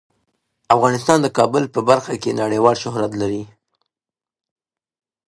افغانستان د کابل په برخه کې نړیوال شهرت لري.